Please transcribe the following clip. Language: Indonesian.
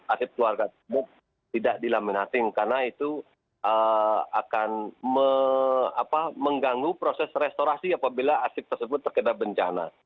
asik keluarga tersebut tidak dilaminating karena itu akan mengganggu proses restorasi apabila asyik tersebut terkena bencana